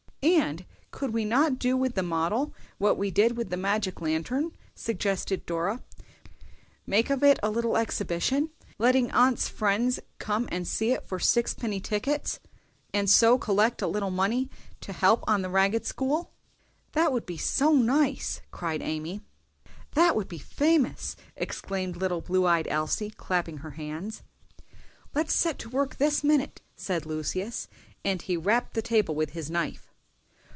"And could we not do with the model what we did with the magic lantern," suggested Dora, "make of it a little exhibition, letting aunt's friends come and see it for sixpenny tickets, and so collect a little money to help on the Ragged school?" "That would be so nice!" cried Amy. "That would be famous!" exclaimed little blue eyed Elsie, clapping her hands. "Let's set to work this minute!" said Lucius, and he rapped the table with his knife.